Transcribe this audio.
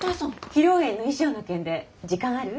披露宴の衣装の件で時間ある？